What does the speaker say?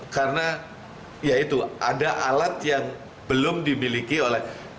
karena ya itu ada alat yang belum dimiliki oleh